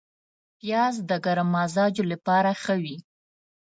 پیاز د ګرم مزاجو لپاره ښه وي